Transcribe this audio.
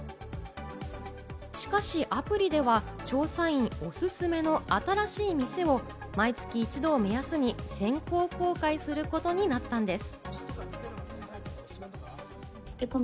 しかしアプリでは調査員おすすめの新しい店を毎月１度を目安に先行公開することになったんです。